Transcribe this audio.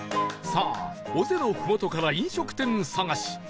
さあ尾瀬のふもとから飲食店探し